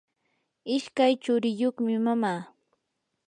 ishkay churiyuqmi mama.